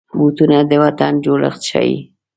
بوټونه د وطن جوړښت ښيي.